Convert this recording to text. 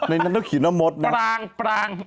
นั่นต้องขยินลงหมดนะ